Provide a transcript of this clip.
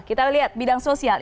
kita lihat bidang sosial